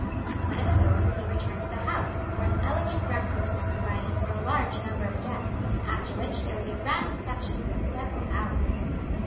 When it was over they returned to the house, where an elegant breakfast was provided for a large number of guests; after which there was a grand reception for several hours.